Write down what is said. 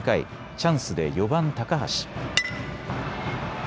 チャンスで４番・高橋。